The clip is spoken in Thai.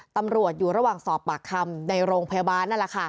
ตำรวจอยู่ระหว่างสอบปากคำในโรงพยาบาล